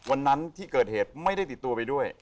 วันนั้นที่เกิดเหตุไม่ได้ติดตัวไปด้วย